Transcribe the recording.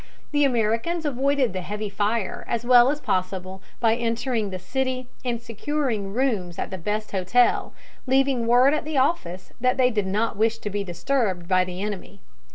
The Americans avoided the heavy fire as well as possible by entering the city and securing rooms at the best hotel, leaving word at the office that they did not wish to be disturbed by the enemy.